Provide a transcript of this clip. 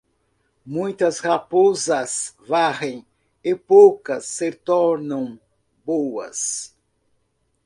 Muitas raposas varrem e poucas se tornam boas.